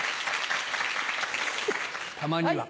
たまには。